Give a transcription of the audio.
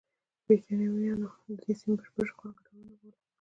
برېټانویانو د دې سیمې بشپړ اشغال ګټور نه باله.